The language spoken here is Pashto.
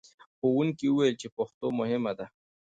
ښوونکي وویل چې پښتو مهمه ده.